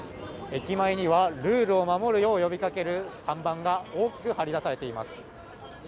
駅前にはルールを守るよう呼びかける看板が大きく張り出されています。